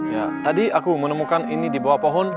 ya tadi aku menemukan ini di bawah pohon